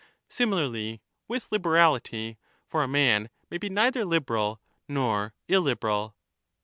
Similarly with liberality ; for a man may be neither liberal 15 nor illiberal.